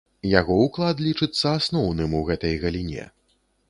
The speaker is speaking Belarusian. Яго ўклад лічыцца асноўным у гэтай галіне.